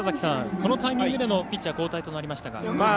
このタイミングでのピッチャー交代となりました。